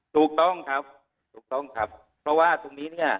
ถูกต้องครับเพราะว่าตรงนี้